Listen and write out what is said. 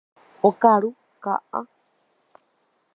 Okaru ka'a.